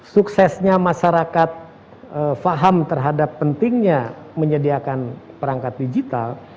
suksesnya masyarakat faham terhadap pentingnya menyediakan perangkat digital